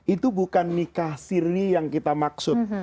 itu bukan nikah siri yang kita maksud